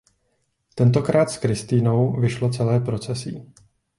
Tentokrát s Kristinou vyšlo celé procesí.